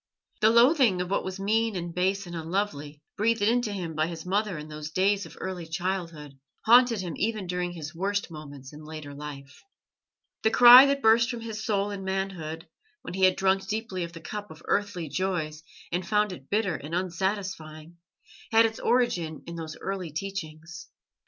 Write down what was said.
The loathing of what was mean and base and unlovely, breathed into him by his mother in those days of early childhood, haunted him even during his worst moments in later life. The cry that burst from his soul in manhood, when he had drunk deeply of the cup of earthly joys and found it bitter and unsatisfying, had its origin in those early teachings.